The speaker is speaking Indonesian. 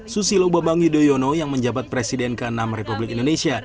susilo bambang yudhoyono yang menjabat presiden ke enam republik indonesia